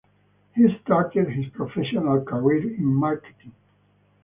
He started his professional career in marketing.